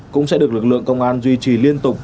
cũng sẽ được lực lượng công an duy trì liên tục